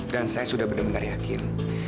dan saya sudah benar benar yakin